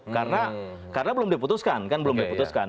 karena belum diputuskan kan belum diputuskan